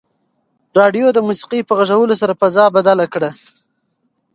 راډیو د موسیقۍ په غږولو سره فضا بدله کړه.